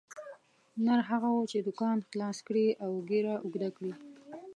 نر هغه وو چې دوکان خلاص کړي او ږیره اوږده کړي.